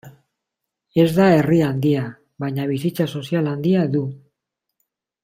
Ez da herri handia, baina bizitza sozial handia du.